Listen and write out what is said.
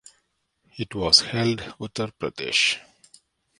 It was held Uttar Pradesh.